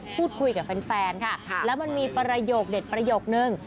พูดคุยกับแฟนค่ะแล้วมันมีประโยคเด็ดประโยคนึง